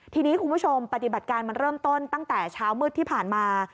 ทีนี้คุณผู้ชมปฏิบัติการมันเริ่มต้นตั้งแต่เช้ามืดที่ผ่านมา